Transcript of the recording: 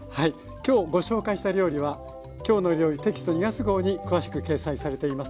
今日ご紹介した料理は「きょうの料理」テキスト２月号に詳しく掲載されています。